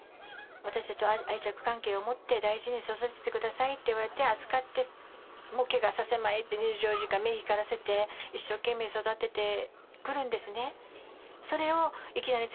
私たちは愛着関係を持って大事に育ててくださいって言われて預かってケガさせまいって２４時間目を光らせて一生懸命育ててくるんですね。